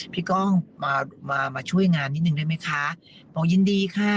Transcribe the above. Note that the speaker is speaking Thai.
ก้องมามาช่วยงานนิดนึงได้ไหมคะบอกยินดีค่ะ